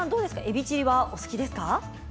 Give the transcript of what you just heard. えびチリはお好きですか。